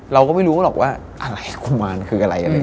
เราก็ไม่รู้หรอกว่าอะไรกุมารคืออะไร